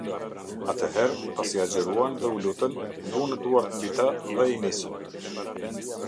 Atëherë, pasi agjëruan dhe u lutën, vunë duart mbi ta dhe i nisën.